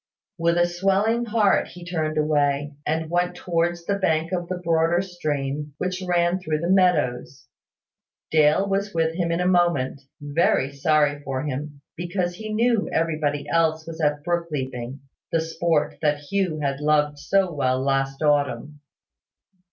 With a swelling heart he turned away, and went towards the bank of the broader stream which ran through the meadows. Dale was with him in a moment, very sorry for him, because everybody else was at brook leaping, the sport that Hugh had loved so well last autumn.